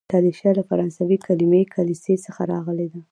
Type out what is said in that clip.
کلیشه له فرانسوي کليمې کلیسې څخه راغلې ده.